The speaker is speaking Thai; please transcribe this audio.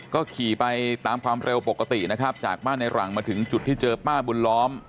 ก็ขี่ไปตามความเร็วปกตินะครับจากบ้านในหลังมาถึงจุดที่เจอป้าบุญล้อม